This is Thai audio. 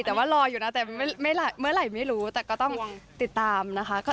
แต่ว่ารออยู่นะแต่เมื่อไหร่ไม่รู้แต่ก็ต้องติดตามนะคะ